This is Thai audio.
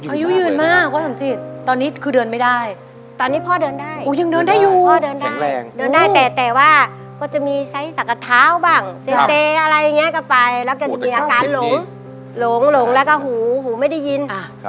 เคยสูบยัดเส้นสมัยจากก่อน